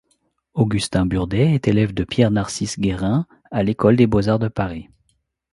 Augustin Burdet est élève de Pierre-Narcisse Guérin à l'École des beaux-arts de Paris.